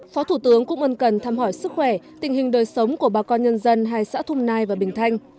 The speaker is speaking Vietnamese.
phó thủ tướng cũng ân cần thăm hỏi sức khỏe tình hình đời sống của bà con nhân dân hai xã thung nai và bình thanh